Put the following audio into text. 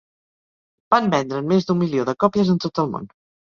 Van vendre'n més d'un milió de còpies en tot el món.